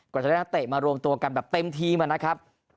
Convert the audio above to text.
ก็จะได้นักเตะมารวมตัวกันแบบเต็มทีมนะครับ